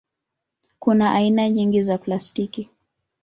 Kuna aina nyingi za plastiki.